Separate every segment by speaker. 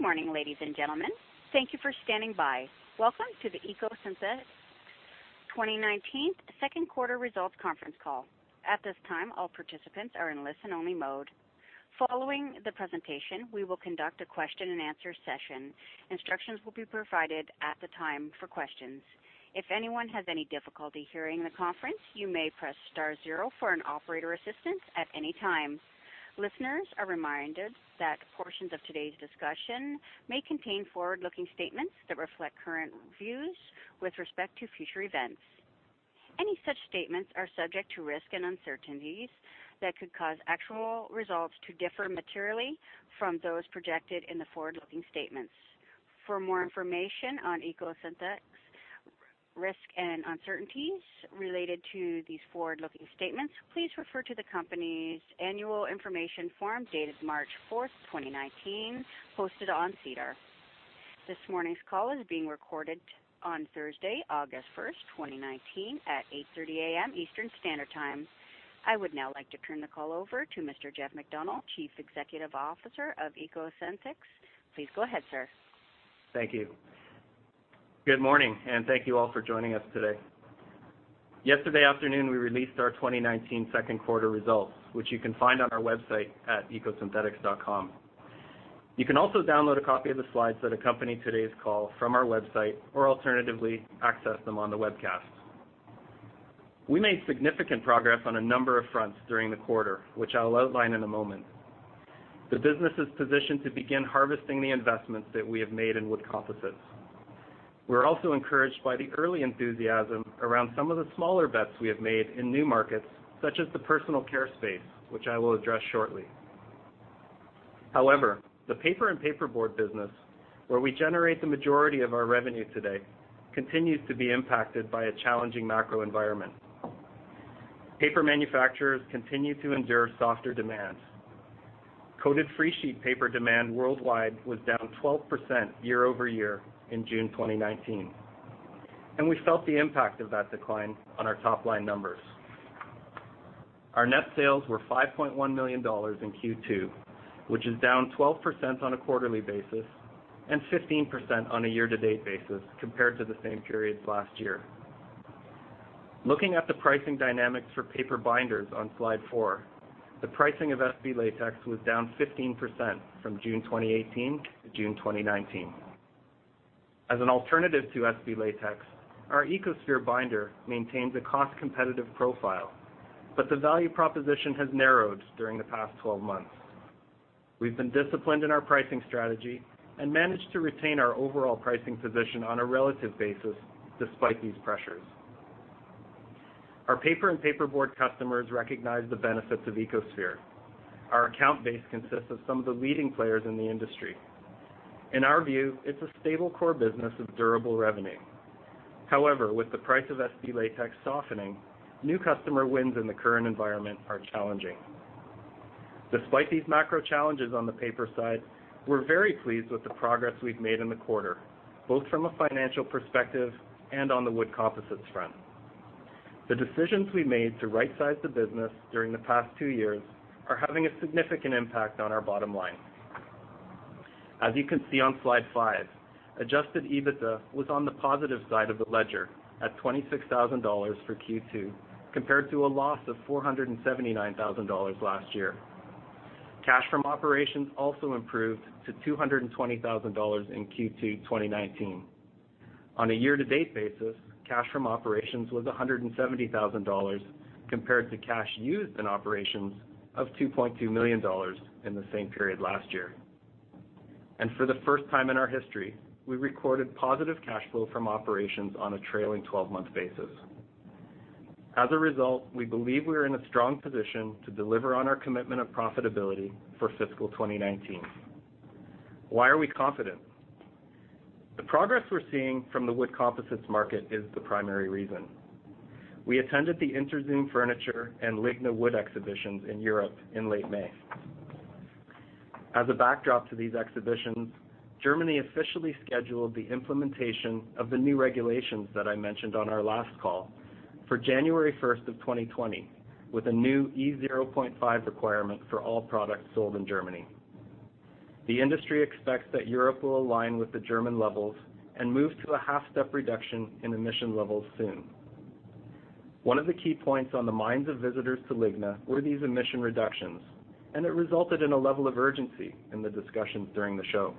Speaker 1: Good morning, ladies and gentlemen. Thank you for standing by. Welcome to the EcoSynthetix 2019 second quarter results conference call. At this time, all participants are in listen-only mode. Following the presentation, we will conduct a question and answer session. Instructions will be provided at the time for questions. If anyone has any difficulty hearing the conference, you may press star zero for an operator assistant at any time. Listeners are reminded that portions of today's discussion may contain forward-looking statements that reflect current views with respect to future events. Any such statements are subject to risks and uncertainties that could cause actual results to differ materially from those projected in the forward-looking statements. For more information on EcoSynthetix risks and uncertainties related to these forward-looking statements, please refer to the company's annual information form dated March 4th, 2019, posted on SEDAR. This morning's call is being recorded on Thursday, August 1st, 2019 at 8:30 A.M. Eastern Standard Time. I would now like to turn the call over to Mr. Jeff MacDonald, Chief Executive Officer of EcoSynthetix. Please go ahead, sir.
Speaker 2: Thank you. Good morning, and thank you all for joining us today. Yesterday afternoon, we released our 2019 second quarter results, which you can find on our website at ecosynthetix.com. You can also download a copy of the slides that accompany today's call from our website or alternatively, access them on the webcast. We made significant progress on a number of fronts during the quarter, which I will outline in a moment. The business is positioned to begin harvesting the investments that we have made in wood composites. We're also encouraged by the early enthusiasm around some of the smaller bets we have made in new markets, such as the personal care space, which I will address shortly. However, the paper and paperboard business, where we generate the majority of our revenue today, continues to be impacted by a challenging macro environment. Paper manufacturers continue to endure softer demands. Coated free sheet paper demand worldwide was down 12% year-over-year in June 2019, and we felt the impact of that decline on our top-line numbers. Our net sales were 5.1 million dollars in Q2, which is down 12% on a quarterly basis and 15% on a year-to-date basis compared to the same period last year. Looking at the pricing dynamics for paper binders on Slide four, the pricing of SB latex was down 15% from June 2018 to June 2019. As an alternative to SB latex, our EcoSphere binder maintains a cost-competitive profile, but the value proposition has narrowed during the past 12 months. We've been disciplined in our pricing strategy and managed to retain our overall pricing position on a relative basis despite these pressures. Our paper and paperboard customers recognize the benefits of EcoSphere. Our account base consists of some of the leading players in the industry. In our view, it's a stable core business with durable revenue. With the price of SB latex softening, new customer wins in the current environment are challenging. Despite these macro challenges on the paper side, we're very pleased with the progress we've made in the quarter, both from a financial perspective and on the wood composites front. The decisions we made to rightsize the business during the past two years are having a significant impact on our bottom line. As you can see on Slide five, adjusted EBITDA was on the positive side of the ledger at 26,000 dollars for Q2, compared to a loss of 479,000 dollars last year. Cash from operations also improved to 220,000 dollars in Q2 2019. On a year-to-date basis, cash from operations was 170,000 dollars, compared to cash used in operations of 2.2 million dollars in the same period last year. For the first time in our history, we recorded positive cash flow from operations on a trailing 12-month basis. As a result, we believe we are in a strong position to deliver on our commitment of profitability for fiscal 2019. Why are we confident? The progress we're seeing from the wood composites market is the primary reason. We attended the Interzum Furniture and LIGNA wood exhibitions in Europe in late May. As a backdrop to these exhibitions, Germany officially scheduled the implementation of the new regulations that I mentioned on our last call for January first of 2020, with a new E 0.5 requirement for all products sold in Germany. The industry expects that Europe will align with the German levels and move to a half-step reduction in emission levels soon. One of the key points on the minds of visitors to LIGNA were these emission reductions. It resulted in a level of urgency in the discussions during the show.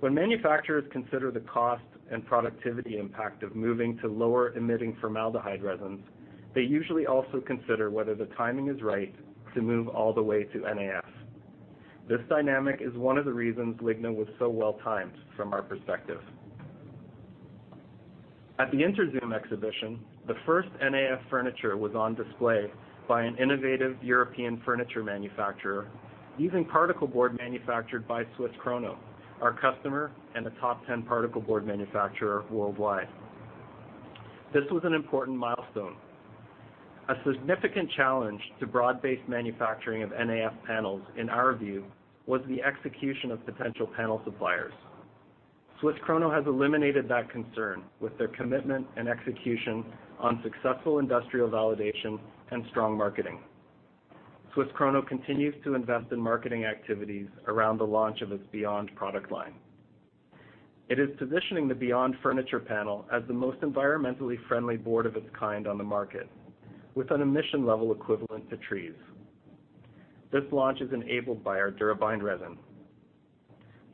Speaker 2: When manufacturers consider the cost and productivity impact of moving to lower-emitting formaldehyde resins, they usually also consider whether the timing is right to move all the way to NAF. This dynamic is one of the reasons LIGNA was so well-timed from our perspective. At the Interzum exhibition, the first NAF furniture was on display by an innovative European furniture manufacturer using particleboard manufactured by SWISS KRONO, our customer and a top 10 particleboard manufacturer worldwide. This was an important milestone. A significant challenge to broad-based manufacturing of NAF panels, in our view, was the execution of potential panel suppliers. SWISS KRONO has eliminated that concern with their commitment and execution on successful industrial validation and strong marketing. SWISS KRONO continues to invest in marketing activities around the launch of its BE.YOND product line. It is positioning the BE.YOND Furniture panel as the most environmentally friendly board of its kind on the market, with an emission level equivalent to trees. This launch is enabled by our DuraBind resin.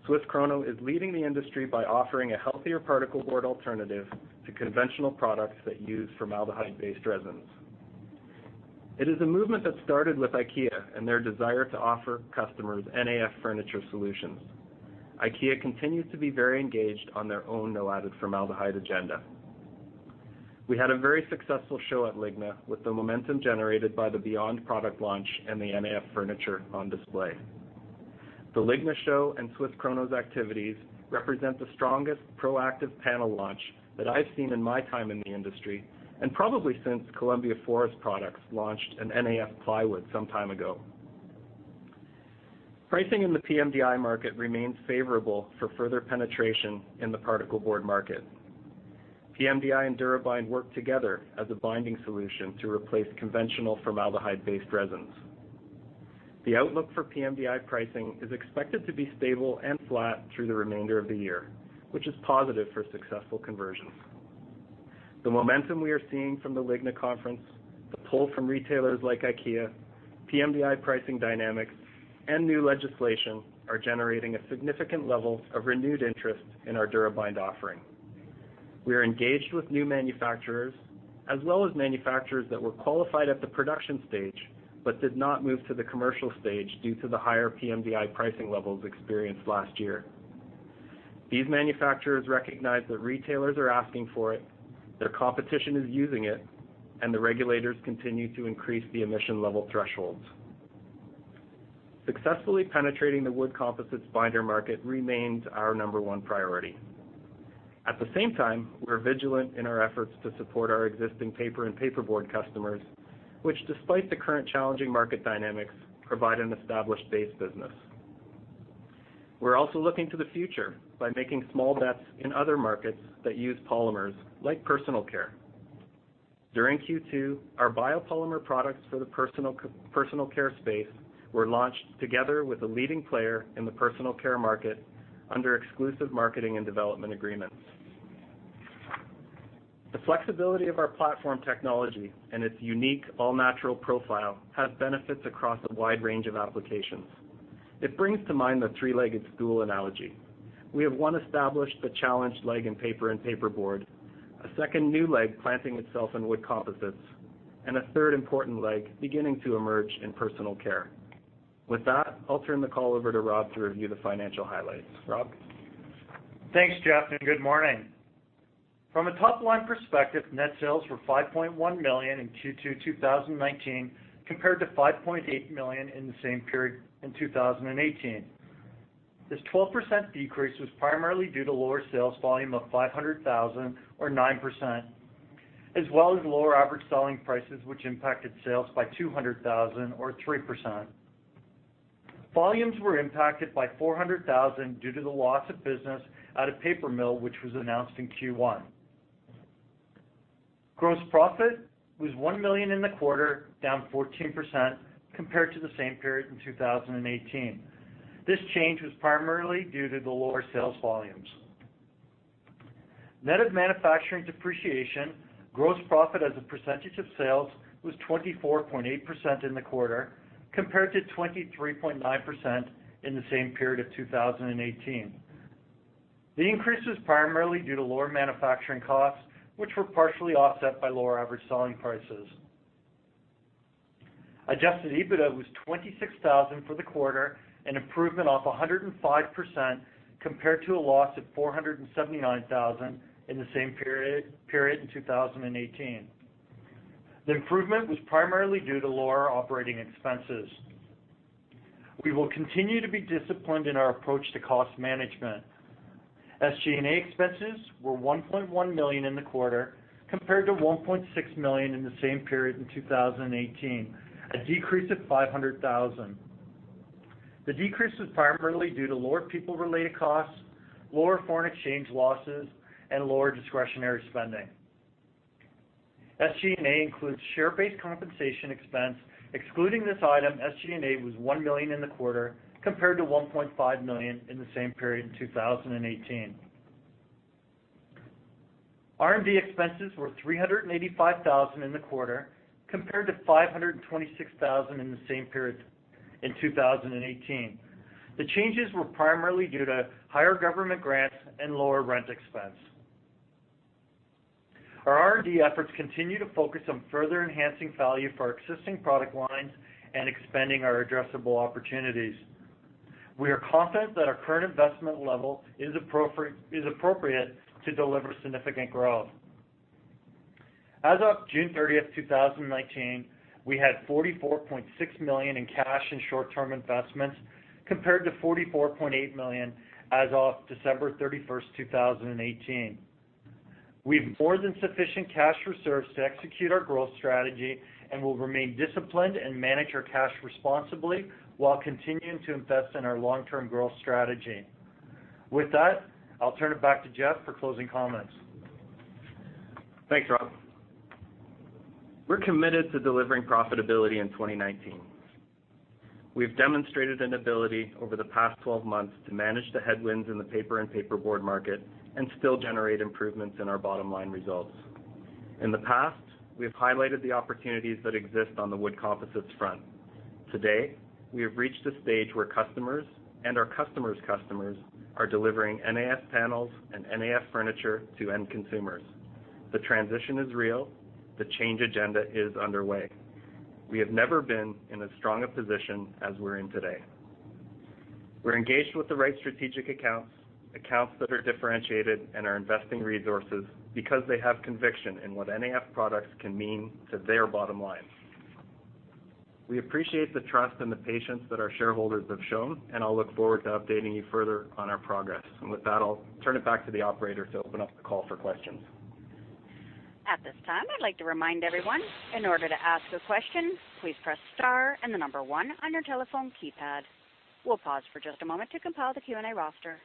Speaker 2: SWISS KRONO is leading the industry by offering a healthier particle board alternative to conventional products that use formaldehyde-based resins. It is a movement that started with IKEA and their desire to offer customers NAF furniture solutions. IKEA continues to be very engaged on their own no-added formaldehyde agenda. We had a very successful show at LIGNA with the momentum generated by the BE.YOND product launch and the NAF furniture on display. The LIGNA show and SWISS KRONO's activities represent the strongest proactive panel launch that I've seen in my time in the industry, and probably since Columbia Forest Products launched an NAF plywood some time ago. Pricing in the pMDI market remains favorable for further penetration in the particle board market. pMDI and DuraBind work together as a binding solution to replace conventional formaldehyde-based resins. The outlook for pMDI pricing is expected to be stable and flat through the remainder of the year, which is positive for successful conversions. The momentum we are seeing from the LIGNA conference, the pull from retailers like IKEA, pMDI pricing dynamics, and new legislation are generating a significant level of renewed interest in our DuraBind offering. We are engaged with new manufacturers, as well as manufacturers that were qualified at the production stage but did not move to the commercial stage due to the higher pMDI pricing levels experienced last year. These manufacturers recognize that retailers are asking for it, their competition is using it, and the regulators continue to increase the emission level thresholds. Successfully penetrating the wood composites binder market remains our number one priority. At the same time, we're vigilant in our efforts to support our existing paper and paperboard customers, which despite the current challenging market dynamics, provide an established base business. We're also looking to the future by making small bets in other markets that use polymers, like personal care. During Q2, our biopolymer products for the personal care space were launched together with a leading player in the personal care market under exclusive marketing and development agreements. The flexibility of our platform technology and its unique all-natural profile has benefits across a wide range of applications. It brings to mind the three-legged stool analogy. We have one established but challenged leg in paper and paperboard, a second new leg planting itself in wood composites, and a third important leg beginning to emerge in personal care. With that, I'll turn the call over to Rob to review the financial highlights. Rob?
Speaker 3: Thanks, Jeff, good morning. From a top-line perspective, net sales were 5.1 million in Q2 2019, compared to 5.8 million in the same period in 2018. This 12% decrease was primarily due to lower sales volume of 500,000 or 9%, as well as lower average selling prices, which impacted sales by 200,000 or 3%. Volumes were impacted by 400,000 due to the loss of business at a paper mill, which was announced in Q1. Gross profit was 1 million in the quarter, down 14% compared to the same period in 2018. This change was primarily due to the lower sales volumes. Net of manufacturing depreciation, gross profit as a percentage of sales was 24.8% in the quarter, compared to 23.9% in the same period of 2018. The increase was primarily due to lower manufacturing costs, which were partially offset by lower average selling prices. Adjusted EBITDA was 26,000 for the quarter, an improvement of 105% compared to a loss of 479,000 in the same period in 2018. The improvement was primarily due to lower operating expenses. We will continue to be disciplined in our approach to cost management. SG&A expenses were 1.1 million in the quarter, compared to 1.6 million in the same period in 2018, a decrease of 500,000. The decrease was primarily due to lower people-related costs, lower foreign exchange losses, and lower discretionary spending. SG&A includes share-based compensation expense. Excluding this item, SG&A was 1 million in the quarter, compared to 1.5 million in the same period in 2018. R&D expenses were 385,000 in the quarter, compared to 526,000 in the same period in 2018. The changes were primarily due to higher government grants and lower rent expense. Our R&D efforts continue to focus on further enhancing value for our existing product lines and expanding our addressable opportunities. We are confident that our current investment level is appropriate to deliver significant growth. As of June 30th, 2019, we had 44.6 million in cash and short-term investments, compared to 44.8 million as of December 31st, 2018. We have more than sufficient cash reserves to execute our growth strategy and will remain disciplined and manage our cash responsibly while continuing to invest in our long-term growth strategy. With that, I'll turn it back to Jeff for closing comments.
Speaker 2: Thanks, Rob. We're committed to delivering profitability in 2019. We've demonstrated an ability over the past 12 months to manage the headwinds in the paper and paperboard market and still generate improvements in our bottom line results. In the past, we have highlighted the opportunities that exist on the wood composites front. Today, we have reached a stage where customers and our customer's customers are delivering NAF panels and NAF furniture to end consumers. The transition is real. The change agenda is underway. We have never been in as strong a position as we're in today. We're engaged with the right strategic accounts that are differentiated and are investing resources, because they have conviction in what NAF products can mean to their bottom lines. We appreciate the trust and the patience that our shareholders have shown, and I'll look forward to updating you further on our progress. With that, I'll turn it back to the operator to open up the call for questions.
Speaker 1: At this time, I'd like to remind everyone, in order to ask a question, please press star and the number 1 on your telephone keypad. We'll pause for just a moment to compile the Q&A roster.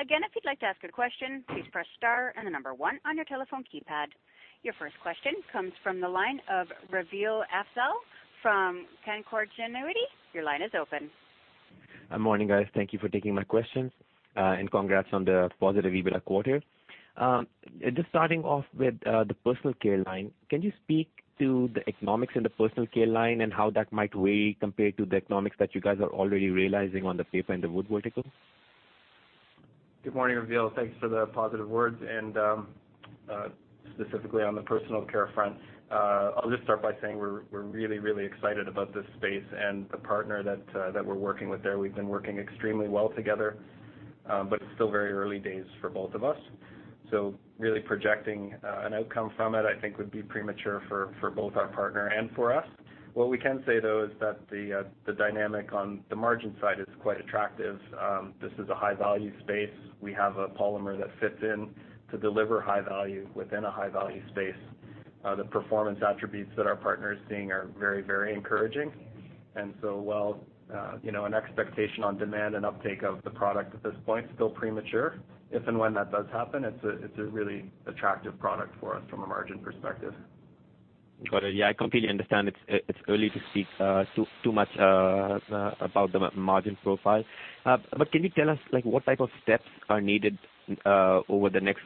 Speaker 1: Again, if you'd like to ask a question, please press star and the number 1 on your telephone keypad. Your first question comes from the line of Raveel Afzaal from Canaccord Genuity. Your line is open.
Speaker 4: Good morning, guys. Thank you for taking my questions, and congrats on the positive EBITDA quarter. Just starting off with the personal care line, can you speak to the economics in the personal care line and how that might weigh compared to the economics that you guys are already realizing on the paper and the wood vertical?
Speaker 2: Good morning, Raveel. Thanks for the positive words. Specifically on the personal care front, I'll just start by saying we're really, really excited about this space and the partner that we're working with there. We've been working extremely well together, it's still very early days for both of us. Really projecting an outcome from it, I think, would be premature for both our partner and for us. What we can say, though, is that the dynamic on the margin side is quite attractive. This is a high-value space. We have a polymer that fits in to deliver high value within a high-value space. The performance attributes that our partner is seeing are very, very encouraging. While an expectation on demand and uptake of the product at this point is still premature, if and when that does happen, it's a really attractive product for us from a margin perspective.
Speaker 4: Got it. Yeah, I completely understand it's early to speak too much about the margin profile. Can you tell us what type of steps are needed over the next,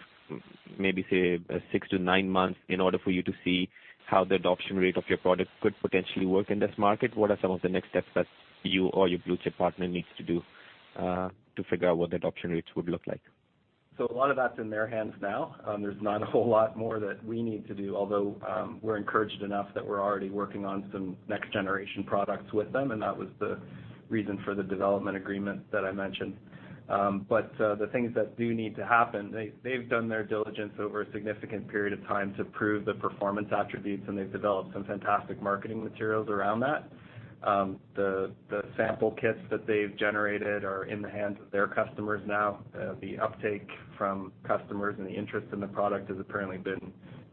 Speaker 4: maybe, say, 6-9 months in order for you to see how the adoption rate of your product could potentially work in this market? What are some of the next steps that you or your blue-chip partner needs to do to figure out what the adoption rates would look like?
Speaker 2: A lot of that's in their hands now. There's not a whole lot more that we need to do, although we're encouraged enough that we're already working on some next generation products with them, and that was the reason for the development agreement that I mentioned. The things that do need to happen, they've done their diligence over a significant period of time to prove the performance attributes, and they've developed some fantastic marketing materials around that. The sample kits that they've generated are in the hands of their customers now. The uptake from customers and the interest in the product has apparently been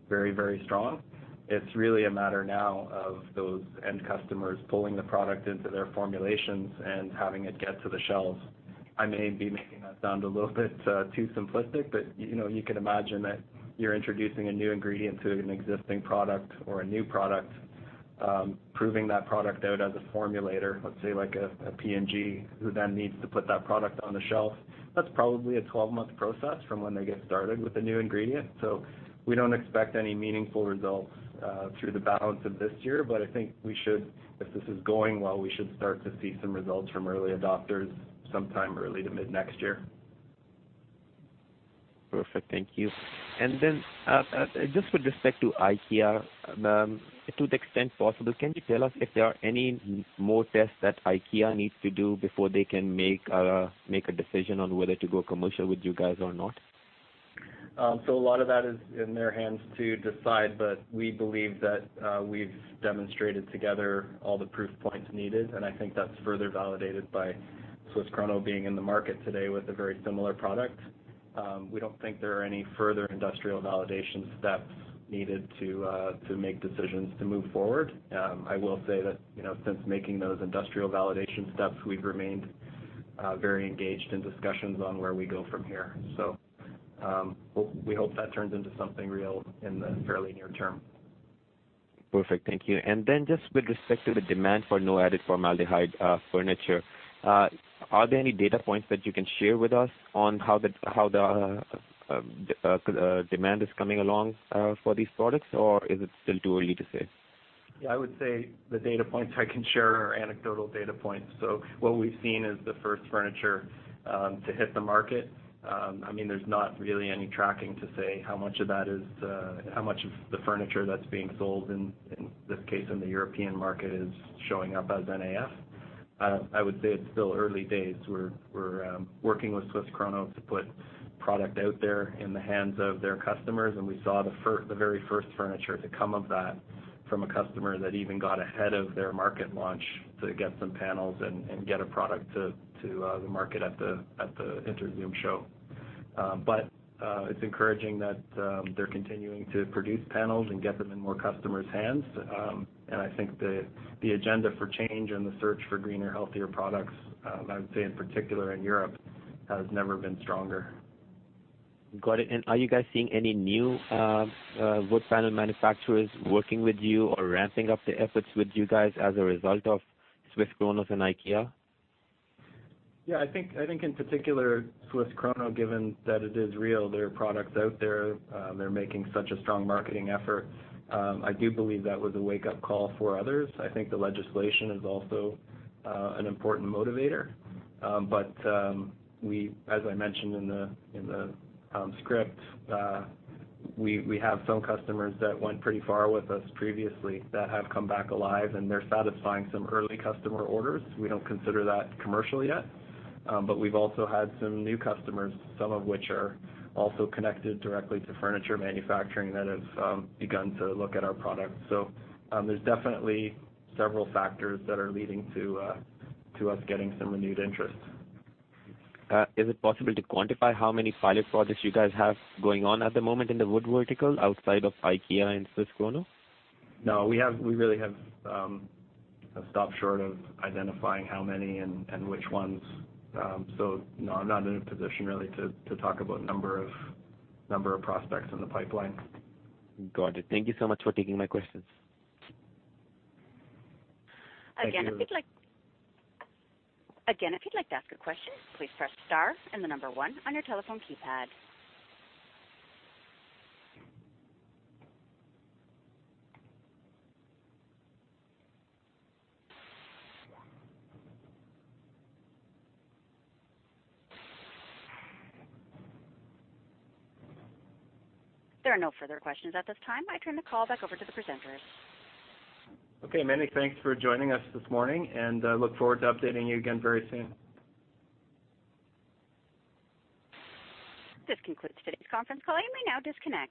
Speaker 2: very, very strong. It's really a matter now of those end customers pulling the product into their formulations and having it get to the shelves. I may be making that sound a little bit too simplistic, but you can imagine that you're introducing a new ingredient to an existing product or a new product, proving that product out as a formulator, let's say like a P&G, who then needs to put that product on the shelf. That's probably a 12-month process from when they get started with a new ingredient. We don't expect any meaningful results through the balance of this year, but I think we should, if this is going well, we should start to see some results from early adopters sometime early to mid next year.
Speaker 4: Perfect. Thank you. Just with respect to IKEA, to the extent possible, can you tell us if there are any more tests that IKEA needs to do before they can make a decision on whether to go commercial with you guys or not?
Speaker 2: A lot of that is in their hands to decide, but we believe that we've demonstrated together all the proof points needed, and I think that's further validated by SWISS KRONO being in the market today with a very similar product. We don't think there are any further industrial validation steps needed to make decisions to move forward. I will say that since making those industrial validation steps, we've remained very engaged in discussions on where we go from here. We hope that turns into something real in the fairly near term.
Speaker 4: Perfect. Thank you. Then just with respect to the demand for no added formaldehyde furniture, are there any data points that you can share with us on how the demand is coming along for these products, or is it still too early to say?
Speaker 2: Yeah, I would say the data points I can share are anecdotal data points. What we've seen is the first furniture to hit the market. There's not really any tracking to say how much of the furniture that's being sold, in this case, in the European market, is showing up as NAF. I would say it's still early days. We're working with SWISS KRONO to put product out there in the hands of their customers, and we saw the very first furniture to come of that. From a customer that even got ahead of their market launch to get some panels and get a product to the market at the Interzum show. It's encouraging that they're continuing to produce panels and get them in more customers' hands. I think the agenda for change and the search for greener, healthier products, I would say in particular in Europe, has never been stronger.
Speaker 4: Got it. Are you guys seeing any new wood panel manufacturers working with you or ramping up the efforts with you guys as a result of SWISS KRONO and IKEA?
Speaker 2: I think in particular, SWISS KRONO, given that it is real, their product's out there, they're making such a strong marketing effort. I do believe that was a wake-up call for others. I think the legislation is also an important motivator. As I mentioned in the script, we have some customers that went pretty far with us previously that have come back alive, and they're satisfying some early customer orders. We don't consider that commercial yet. We've also had some new customers, some of which are also connected directly to furniture manufacturing that have begun to look at our product. There's definitely several factors that are leading to us getting some renewed interest.
Speaker 4: Is it possible to quantify how many pilot projects you guys have going on at the moment in the wood vertical outside of IKEA and SWISS KRONO?
Speaker 2: No, we really have stopped short of identifying how many and which ones. No, I'm not in a position really to talk about number of prospects in the pipeline.
Speaker 4: Got it. Thank you so much for taking my questions.
Speaker 2: Thank you.
Speaker 1: Again, if you'd like to ask a question, please press star and the number one on your telephone keypad. There are no further questions at this time. I turn the call back over to the presenters.
Speaker 2: Many thanks for joining us this morning, and I look forward to updating you again very soon.
Speaker 1: This concludes today's conference call. You may now disconnect.